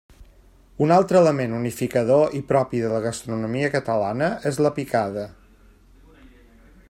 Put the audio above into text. Un altre element unificador i propi de la gastronomia catalana és la picada.